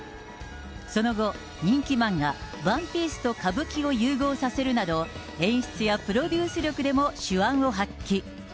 その後、人気漫画、ワンピースと歌舞伎を融合させるなど、演出やプロデュース力でも手腕を発揮。